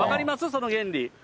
その原理。